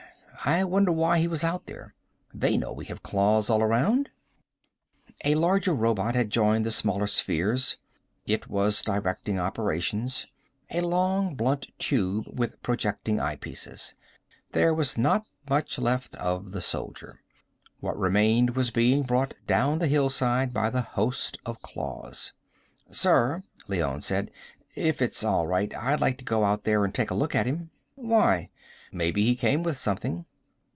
I wonder why he was out there. They know we have claws all around." A larger robot had joined the smaller spheres. It was directing operations, a long blunt tube with projecting eyepieces. There was not much left of the soldier. What remained was being brought down the hillside by the host of claws. "Sir," Leone said. "If it's all right, I'd like to go out there and take a look at him." "Why?" "Maybe he came with something."